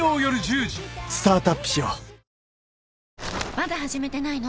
まだ始めてないの？